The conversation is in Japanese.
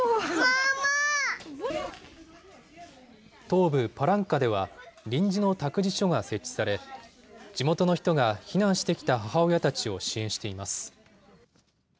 東部パランカでは、臨時の託児所が設置され、地元の人が避難してきた母親たちを支援しています。